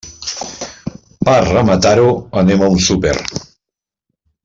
Per rematar-ho, anem a un súper.